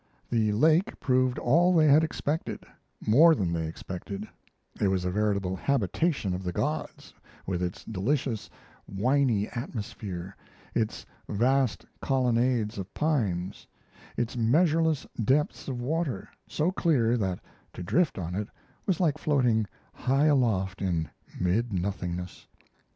The lake proved all they had expected more than they expected; it was a veritable habitation of the gods, with its delicious, winy atmosphere, its vast colonnades of pines, its measureless depths of water, so clear that to drift on it was like floating high aloft in mid nothingness.